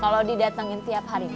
kalo didatengin tiap hari